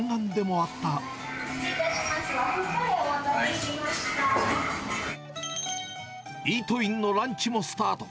和風カレー、イートインのランチもスタート。